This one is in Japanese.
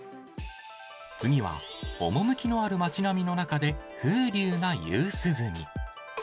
次は、趣のある街並みの中で風流な夕涼み。